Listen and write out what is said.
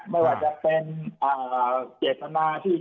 ไม่ว่าจะเป็นเจตนาที่